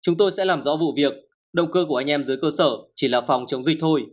ngồi giãn cách năm mươi công suất